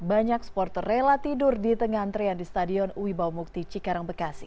banyak sporter rela tidur di tengah antrean di stadion ui baumukti cikarang bekasi